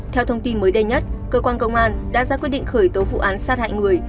theo thông tin mới đây nhất cơ quan công an đã ra quyết định khởi tố vụ án sát hại người